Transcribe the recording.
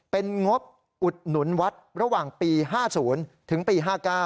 เป็นงบอุดหนุนวัดระหว่างปี๕๐ถึงปี๕๙